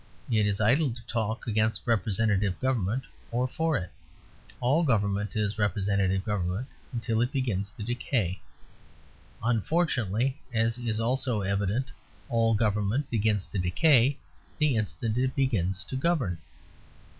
It is idle to talk against representative government or for it. All government is representative government until it begins to decay. Unfortunately (as is also evident) all government begins to decay the instant it begins to govern.